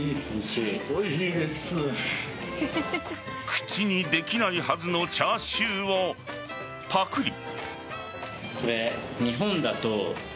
口にできないはずのチャーシューをパクリ。